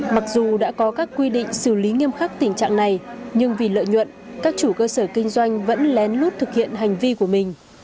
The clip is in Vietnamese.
mặc dù đã có các quy định xử lý nghiêm khắc tình trạng này nhưng vì lợi nhuận các chủ cơ sở kinh doanh vẫn lén lút thực hiện hành vi của mình